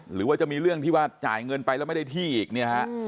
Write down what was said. หรือว่าจะมีเรื่องที่ว่าจ่ายเงินไปแล้วไม่ได้ที่อีกเนี่ยฮะ